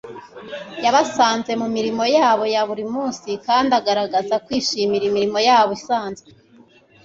Yabasanze mu mirimo yabo ya buri munsi, kandi agaragaza kwishimira imirimo yabo isanzwe.